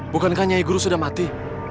bukankah nyai guru sudah mati